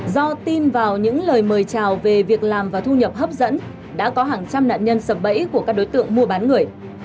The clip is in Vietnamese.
do tin vào những lời mời chào về việc làm và thu nhập hấp dẫn đã có hàng trăm nạn nhân sập bẫy của các đối tượng mua bán người